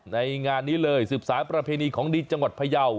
ในงานนี้เลย๑๘ประเพณีของดิบจังหวัดพะเย่า